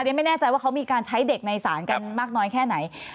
ไม่แน่ใจว่าเขามีการใช้เด็กในศาลกันมากน้อยแค่ไหน